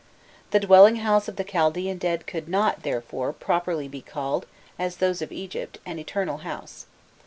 The dwelling house of the Chaldaean dead could not, therefore, properly be called, as those of Egypt, an "eternal house."